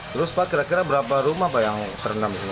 terus pak kira kira berapa rumah yang terendam di sini